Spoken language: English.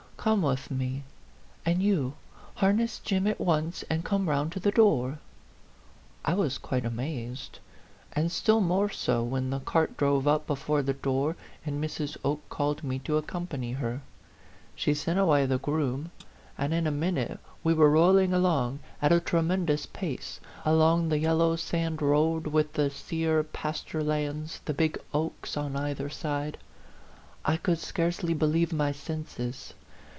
Come with me. And you, harness Jim at once and come round to the door." I was quite amazed ; and still more so when the cart drove up before the door, and Mrs. Oke called me to accompany her. She sent away the groom, and in a minute we A PHANTOM LOVER. 77 were rolling along, at a tremendous pace, along the yellow sand road, with the sear pasture lands, the big oaks, on either side. I could scarcely believe my senses.